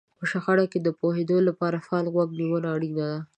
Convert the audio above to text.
په شخړه پوهېدو لپاره فعاله غوږ نيونه اړينه ده.